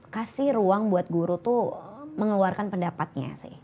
kasih ruang buat guru tuh mengeluarkan pendapatnya sih